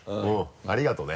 ありがとね。